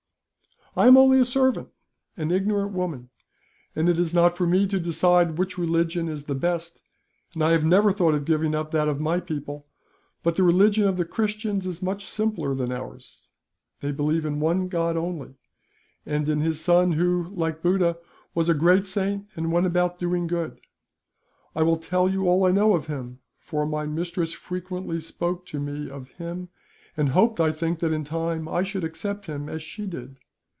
"I am only a servant, an ignorant woman, and it is not for me to decide which religion is the best, and I have never thought of giving up that of my people; but the religion of the Christians is much simpler than ours. They believe in one God, only; and in his Son who, like Buddha, was a great saint, and went about doing good. I will tell you all I know of Him, for my mistress frequently spoke to me of Him; and hoped, I think, that in time I should accept Him, as she did.